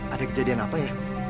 ada kejadian apa ya